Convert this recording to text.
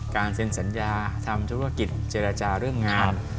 เซ็นสัญญาทำธุรกิจเจรจาเรื่องงาน